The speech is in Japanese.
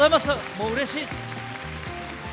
もう、うれしい！